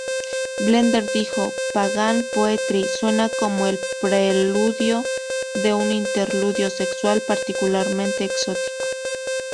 Blender dijo: "Pagan Poetry" suena como el preludio de un interludio sexual particularmente exótico".